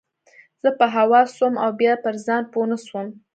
زه په هوا سوم او بيا پر ځان پوه نه سوم.